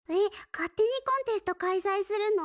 勝手にコンテスト開さいするの？